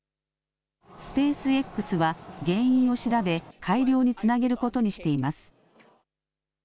スペースＸは原因を調べ改良につなげることにしています。